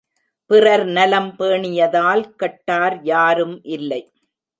பிறர் நலம் பேணியதால் கெட்டார் யாரும் இல்லை.